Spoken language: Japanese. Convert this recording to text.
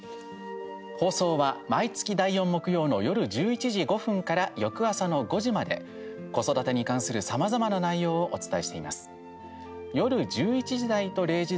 放送は、毎月第４木曜日の夜１１時５分から翌朝の５時まで子育てに関するさまざまな内容をお伝えしています。